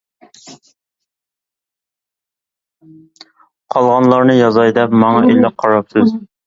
قالغانلارنى يازاي دەپ، ماڭا ئىللىق قاراپسىز.